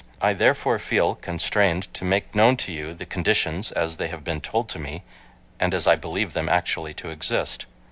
I, therefore, feel constrained to make known to you the conditions, as they have been told to me, and as I believe them actually to exist.